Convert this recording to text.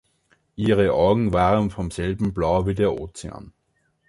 Ihre Augen waren vom selben Blau wie der Ozean.